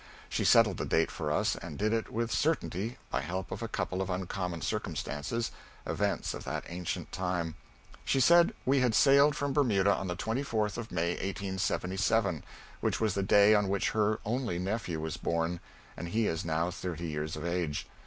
She settled the date for us, and did it with certainty, by help of a couple of uncommon circumstances, events of that ancient time. She said we had sailed from Bermuda on the 24th of May, 1877, which was the day on which her only nephew was born and he is now thirty years of age.